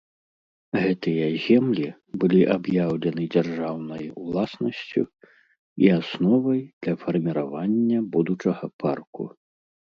Гэтыя землі былі аб'яўлены дзяржаўнай уласнасцю і асновай для фарміравання будучага парку.